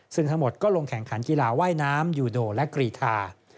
ซึ่งทั้งหมดก็ลงแข่งขันกีฬาว่ายน้ำยูโดและกรีธา